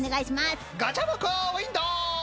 ガチャムクウインドー！